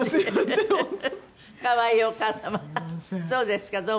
そうですか。